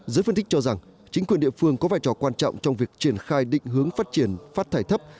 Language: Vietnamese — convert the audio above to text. giới phân tích cho rằng chính quyền địa phương có vai trò quan trọng trong việc triển khai định hướng phát triển phát thải thấp